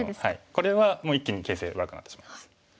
これは一気に形勢悪くなってしまいます。